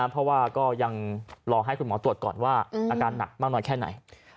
เพราะว่าก็ยังรอให้คุณหมอตรวจก่อนว่าอาการหนักมากน้อยแค่ไหน